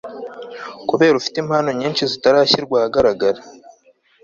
kuberako ufite impano nyinshi zitarashyirwa ahagaragara